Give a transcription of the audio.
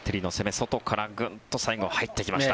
外からグンと入ってきました。